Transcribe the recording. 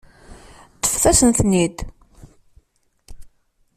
Ṭṭfet-asen-ten-id.